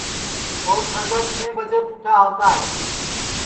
اور سانجا چھیں ٻجیں پُٹھا آوتا ہے